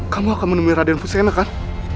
kamu akan menemui raden fusena kan